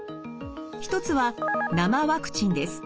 一つは生ワクチンです。